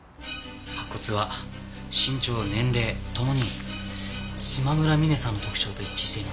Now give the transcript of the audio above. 白骨は身長年齢ともに島村ミネさんの特徴と一致しています。